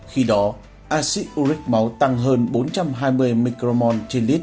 khi đó acid uric máu tăng hơn bốn mươi